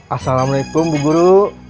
assalamualaikum bu guru